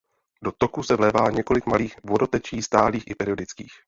Do toku se vlévá několik malých vodotečí stálých i periodických.